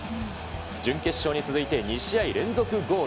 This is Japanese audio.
準決勝に続いて２試合連続ゴール。